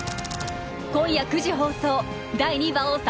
今夜９時放送